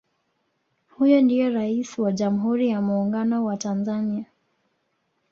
Huyo ndiye Rais wa jamhuri ya Muungano wa Tanzania